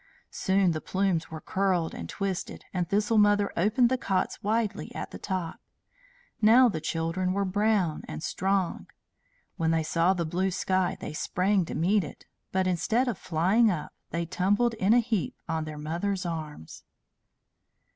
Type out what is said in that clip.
Soon the plumes were curled and twisted, and Thistle Mother opened the cots widely at the top. Now the children were brown and strong. When they saw the blue sky they sprang to meet it; but, instead of flying up, they tumbled in a heap on their mother's arms.